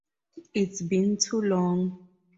It's been too long.